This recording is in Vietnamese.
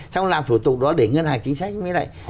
xong làm thủ tục đó để ngân hàng chính sách mới lại